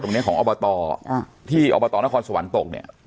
ตรงนี้ของอบตที่อบตนครสวรรค์ตกเนี่ย